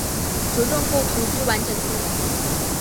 着重构图之完整性